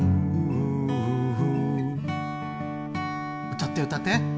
歌って歌って。